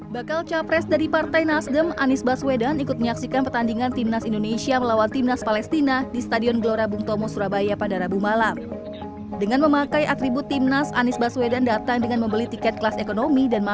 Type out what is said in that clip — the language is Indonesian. bagaimana menurut anda